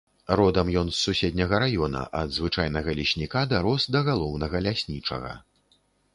Родам ён з суседняга раёна, ад звычайнага лесніка дарос да галоўнага ляснічага.